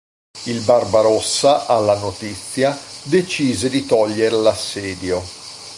Il Barbarossa, alla notizia, decise di togliere l'assedio.